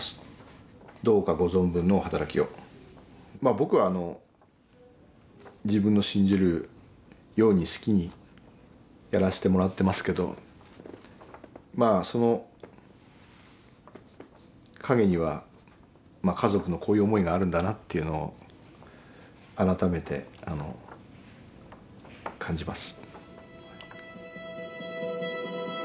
僕は自分の信じるように好きにやらせてもらってますけどまあその陰には家族のこういう思いがあるんだなっていうのを改めて感じます。